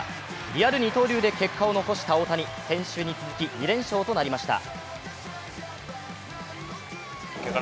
リアル二刀流で結果を残した大谷先週に続き、２連勝となりました。